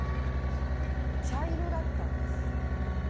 茶色だったんです。